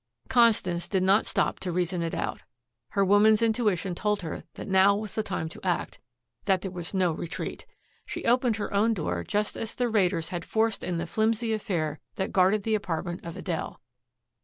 Constance did not stop to reason it out. Her woman's intuition told her that now was the time to act that there was no retreat. She opened her own door just as the raiders had forced in the flimsy affair that guarded the apartment of Adele.